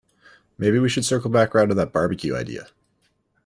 Maybe we should circle back round to that barbecue idea?